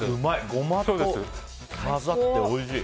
ゴマと混ざっておいしい。